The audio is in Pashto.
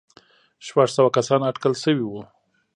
شپږ سوه کسان اټکل شوي وو.